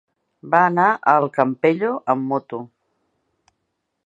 Va anar al Campello amb moto.